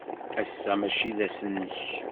Ass-a maci d ass-nnek.